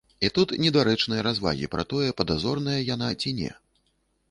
І тут недарэчныя развагі пра тое, падазроная яна ці не.